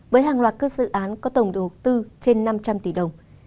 với hàng loạt cước dự án có tổng đồ tư trên năm trăm linh tỷ đồng